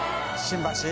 新橋？